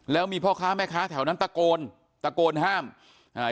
แล้วมีพ่อค้าแม่ค้าแถวนั้นตะโกนตะโกนห้ามอ่า